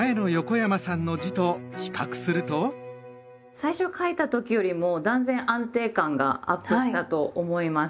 最初書いた時よりも断然安定感がアップしたと思います。